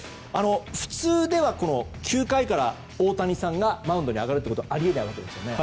普通では９回から大谷さんがマウンドに上がることはあり得ないわけですよね。